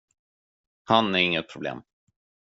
Han är inget problem.